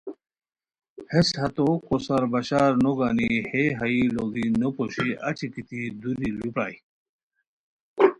ہیس ہتو کوسار بشار نوگنی ہے ہائی لوڑی نوپوشی اچی گیتی دُوری لُوپرائے